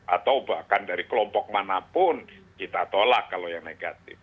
atau bahkan dari kelompok manapun kita tolak kalau yang negatif